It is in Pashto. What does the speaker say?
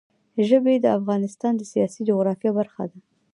ژبې د افغانستان د سیاسي جغرافیه برخه ده.